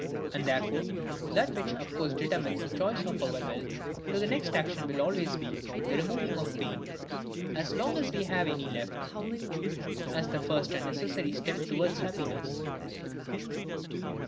And, therefore, that which of course determines the choice of our will to the next action will always be—the removing of pain, as long as we have any left, as the first and necessary step towards happiness.